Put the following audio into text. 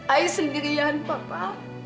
ai sendirian papa